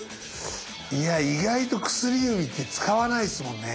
いや意外と薬指って使わないっすもんね。